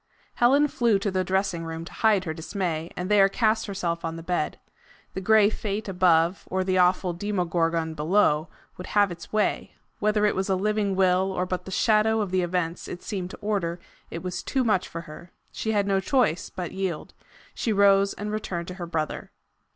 Helen flew to the dressing room to hide her dismay, and there cast herself on the bed. The gray Fate above, or the awful Demo gorgon beneath, would have its way! Whether it was a living Will or but the shadow of the events it seemed to order, it was too much for her. She had no choice but yield. She rose and returned to her brother.